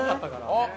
あっ！